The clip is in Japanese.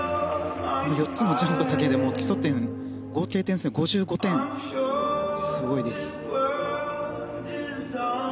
４つのジャンプだけで基礎点、合計点数が５５点、すごいです。